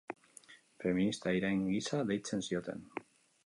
Feminista irain gisa deitzen zioten.